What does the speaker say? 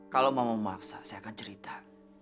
kalau mau memaksa saya akan cerita